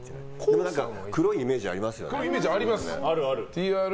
黒いイメージありますよね。